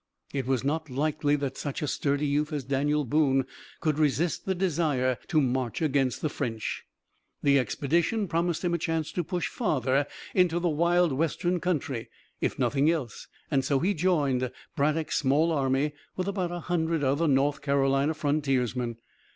It was not likely that such a sturdy youth as Daniel Boone could resist the desire to march against the French. The expedition promised him a chance to push farther into that wild western country, if nothing else, and so he joined Braddock's small army with about a hundred other North Carolina frontiersmen.